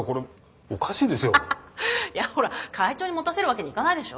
いやほら会長に持たせるわけにいかないでしょ？